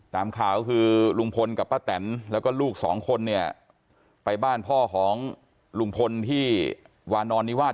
ตามข่าวคือลุงพลกับป้าแตนแล้วก็ลูกสองคนเนี่ยไปบ้านพ่อของลุงพลที่วานอนนิวาส